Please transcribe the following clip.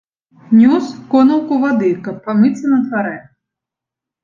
Нёс конаўку вады, каб памыцца на дварэ.